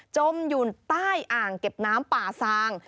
จมอยู่ใต้อ่างเก็บน้ำป่าซาง